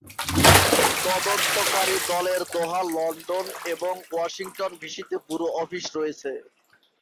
তদন্তকারী দলের Doha, London এবং ওয়াশিংটন ডিসিতে ব্যুরো অফিস রয়েছে।